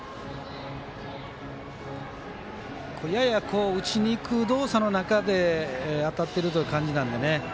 やや、打ちにいく動作の中で当たっているという感じなんでね。